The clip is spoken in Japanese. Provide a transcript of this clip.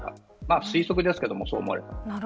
推測ですけどそう思います。